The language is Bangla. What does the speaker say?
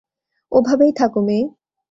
ওভাবেই থাকো, মেয়ে।